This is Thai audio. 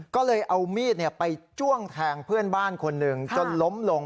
ก็เลยเอามีดไปจ้วงแทงเพื่อนบ้านคนหนึ่งจนล้มลง